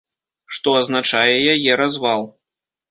Што азначае яе развал.